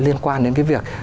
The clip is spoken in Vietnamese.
liên quan đến cái việc